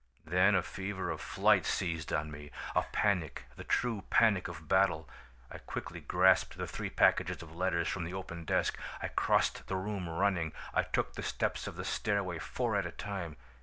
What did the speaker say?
"Then a fever of flight seized on me, a panic, the true panic of battle. I quickly grasped the three packages of letters from the open desk; I crossed the room running, I took the steps of the stairway four at a time.